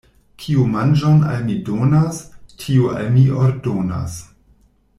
Kiu manĝon al mi donas, tiu al mi ordonas.